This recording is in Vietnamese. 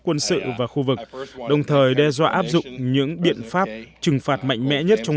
quân sự và khu vực đồng thời đe dọa áp dụng những biện pháp trừng phạt mạnh mẽ nhất trong